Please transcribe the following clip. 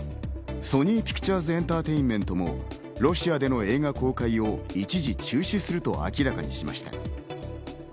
ソニー・ピクチャーズ・エンタテインメントもロシアでの映画公開を一時中止すると明らかにしました。